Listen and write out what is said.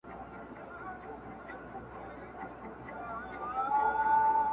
د سل سري اژدها پر كور ناورين سو!.